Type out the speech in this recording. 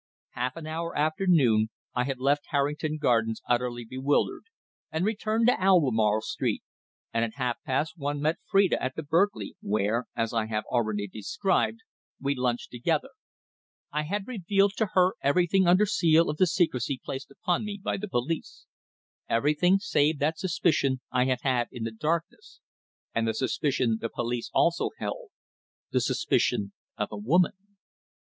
Half an hour after noon I had left Harrington Gardens utterly bewildered, and returned to Albemarle Street, and at half past one met Phrida at the Berkeley, where, as I have already described, we lunched together. I had revealed to her everything under seal of the secrecy placed upon me by the police everything save that suspicion I had had in the darkness, and the suspicion the police also held the suspicion of a woman.